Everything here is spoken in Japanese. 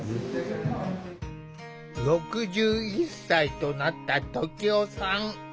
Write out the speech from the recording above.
６１歳となった時男さん。